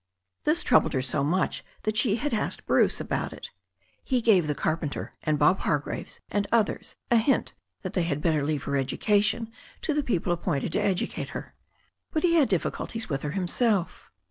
This troubled her so much that she had asked Bruce about it He gave tiie carpenter and Bob Hargraves and others a hint that I30 THE STORY OF A NEW ZEALAND RIVER they had better leave her education to the people appointed to educate her. But he had difficulties with her himself.